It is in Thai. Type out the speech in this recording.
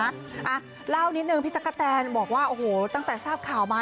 อ่ะเล่านิดนึงพี่ตั๊กกะแตนบอกว่าโอ้โหตั้งแต่ทราบข่าวมา